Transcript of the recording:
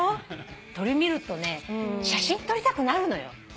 鳥見るとね写真撮りたくなるのよ。